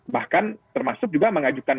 bahkan termasuk juga mengajukan